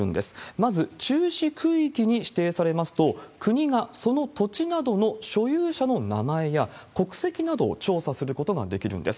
まず、注視区域に指定されますと、国がその土地などの所有者の名前や国籍などを調査することができるんです。